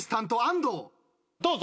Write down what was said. どうぞ。